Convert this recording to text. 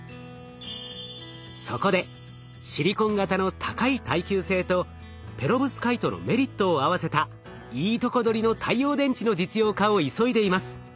そこでシリコン型の高い耐久性とペロブスカイトのメリットを合わせたいいとこ取りの太陽電池の実用化を急いでいます。